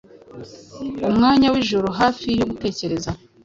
Umwanya wijoro hafi yo gutegereza